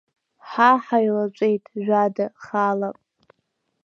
Ҳа ҳаилаҵәеит жәада, хаала.